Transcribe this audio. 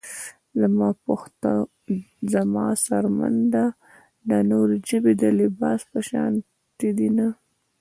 زما پښتو زما څرمن ده دا نورې ژبې د لباس پشانته دينه